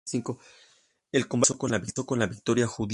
El combate finalizó con la victoria judía.